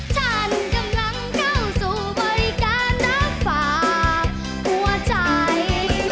ฉันกำลังเข้าสู่บริการรับฝากหัวใจ